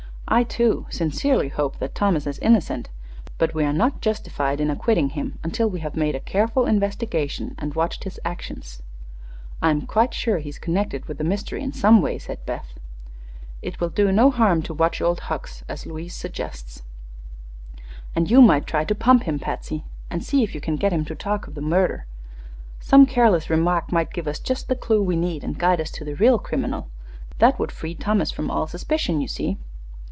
"I, too, sincerely hope that Thomas is innocent; but we are not justified in acquitting him until we have made a careful investigation and watched his actions." "I'm quite sure he's connected with the mystery in some way," said Beth. "It will do no harm to watch Old Hucks, as Louise suggests." "And you might try to pump him, Patsy, and see if you can get him to talk of the murder. Some careless remark might give us just the clue we need and guide us to the real criminal. That would free Thomas from all suspicion, you see."